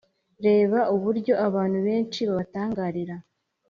reba uryo abantu benshi babatangarira